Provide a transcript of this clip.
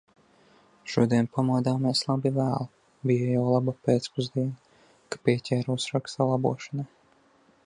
Šodien pamodāmies labi vēlu. Bija jau laba pēcpusdiena, ka pieķēros raksta labošanai.